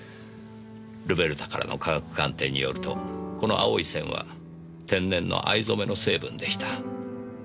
ルベルタからの科学鑑定によるとこの青い線は天然の藍染めの成分でした。